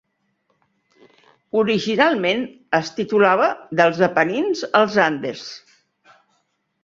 Originalment es titulava "Dels Apenins als Andes".